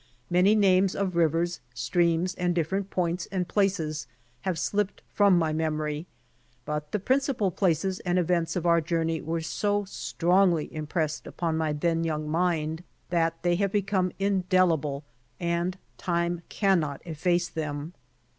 Many names of rivers, streams and different points and places have slipped from my memory, but the principal places and events of our journey were so strongly impressed upon my then young mind, that they have become indelible and time can not efface them.